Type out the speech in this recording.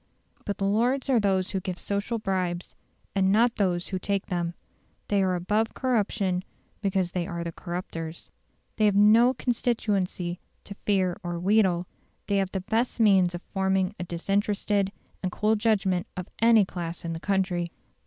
But the Lords are those who give social bribes, and not those who take them. They are above corruption because they are the corruptors. They have no constituency to fear or wheedle; they have the best means of forming a disinterested and cool judgment of any class in the country.